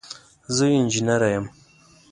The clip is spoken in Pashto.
زه انجنیره یم.